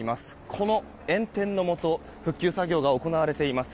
この炎天のもと復旧作業が行われています。